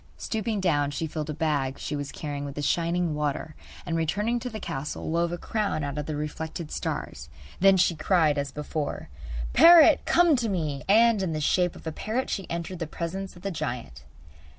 Stooping down she filled a bag she was carrying with the shining water and, returning to the castle, wove a crown out of the reflected stars. Then she cried as before: 'Parrot, come to me!' And in the shape of a parrot she entered the presence of the giant.